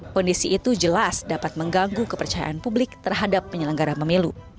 kondisi itu jelas dapat mengganggu kepercayaan publik terhadap penyelenggara pemilu